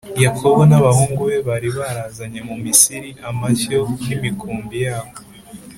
yakobo n’abahungu be bari barazanye mu misiri amashyo n’imikumbi yabo.